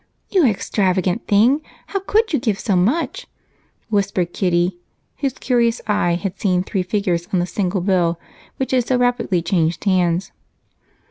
"You extravagant thing! How could you give so much?" whispered Kitty, whose curious eye had seen three figures on the single bill which had so rapidly changed hands.